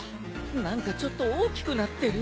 何かちょっと大きくなってる？